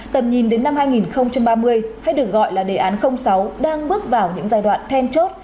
tầm nhìn đến năm hai nghìn ba mươi hay được gọi là đề án sáu đang bước vào những giai đoạn then chốt